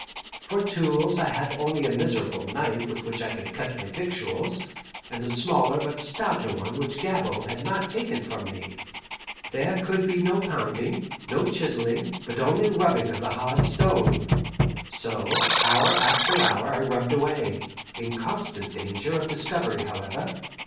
For tools I had only a miserable knife with which I cut my victuals, and the smaller but stouter one which Gabord had not taken from me. There could be no pounding, no chiselling, but only rubbing of the hard stone. So hour after hour I rubbed away, in constant danger of discovery however.